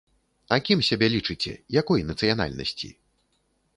А кім сябе лічыце, якой нацыянальнасці?